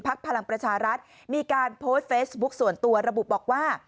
พลังประชารัฐมีการโพสต์เฟซบุ๊คส่วนตัวระบุบอกว่า